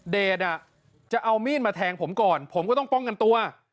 เดชจะเอามีดมาแทงผมก่อนผมก็ต้องป้องกันตัว